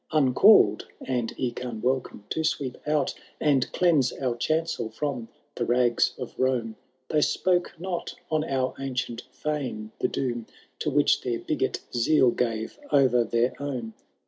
Uncalled, and eke unwelcome, to sweep out And cleanse our chancel from the rags of Rome, They spoke not on our ancient feme the doom To which their bigot zeal gave o^er their own.